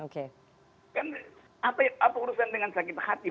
kan apa urusan dengan sakit hati